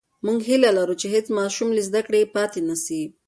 موږ هیله لرو چې هېڅ ماشوم له زده کړې پاتې نسي.